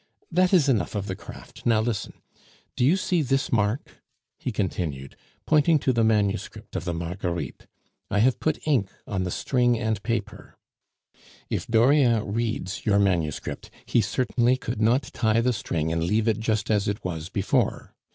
That is enough of the craft, now listen! Do you see that mark?" he continued, pointing to the manuscript of the Marguerites. "I have put ink on the string and paper. If Dauriat reads your manuscript, he certainly could not tie the string and leave it just as it was before.